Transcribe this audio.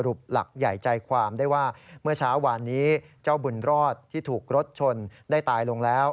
หลักใหญ่ใจความได้ว่าเมื่อเช้าวานนี้เจ้าบุญรอดที่ถูกรถชนได้ตายลงแล้ว